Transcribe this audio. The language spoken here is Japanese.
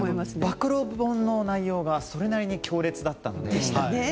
暴露本の内容がそれなりに強烈だったので。